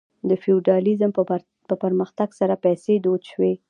د فیوډالیزم په پرمختګ سره پیسې دود شوې.